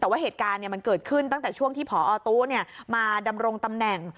แต่ว่าเหตุการณ์มันเกิดขึ้นตั้งแต่ช่วงที่พอตู้มาดำรงตำแหน่ง